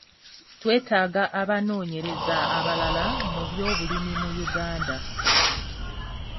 Twetaaga abanoonyereza abalala mu by'obulimi mu Uganda.